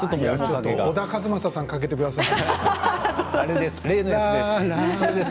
小田和正さんをかけてください。